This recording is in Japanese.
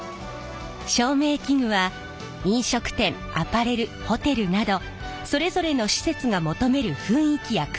照明器具は飲食店アパレルホテルなどそれぞれの施設が求める雰囲気や空間の印象を決める